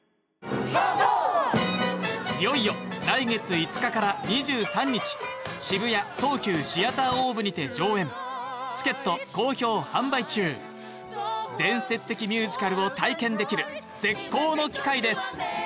いよいよ来月５日から２３日渋谷東急シアターオーブにて上演チケット好評販売中伝説的ミュージカルを体験できる絶好の機会です